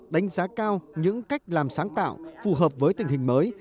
đánh giá cao những cách làm sáng tạo phù hợp với tình hình mới